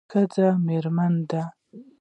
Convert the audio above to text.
ښځه میرمن ده